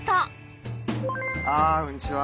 あこんにちは。